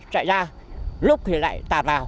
chạy ra lúc thì lại tạt vào